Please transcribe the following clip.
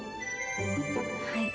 はい。